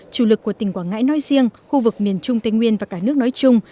chủ lực của tỉnh quảng ngãi nói riêng khu vực miền trung tây nguyên và cả nước nói chung